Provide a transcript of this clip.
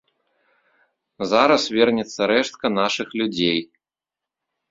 Зараз вернецца рэштка нашых людзей.